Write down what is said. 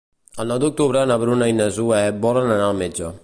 El nou d'octubre na Bruna i na Zoè volen anar al metge.